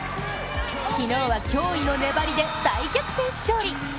昨日は驚異の粘りで大逆転勝利。